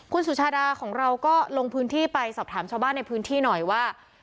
คุณสุชาดาของเราก็ลงพื้นที่ไปสอบถามชาวบ้านในพื้นที่หน่อยว่า